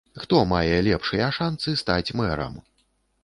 Хто мае лепшыя шанцы стаць мэрам?